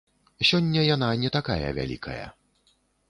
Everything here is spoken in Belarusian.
Сёння яна не такая вялікая.